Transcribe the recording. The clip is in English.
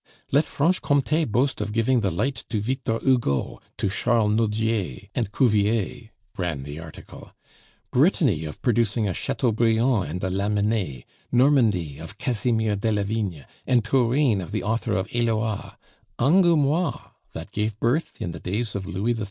"Let Franche Comte boast of giving the light to Victor Hugo, to Charles Nodier, and Cuvier," ran the article, "Brittany of producing a Chateaubriand and a Lammenais, Normandy of Casimir Delavigne, and Touraine of the author of Eloa; Angoumois that gave birth, in the days of Louis XIII.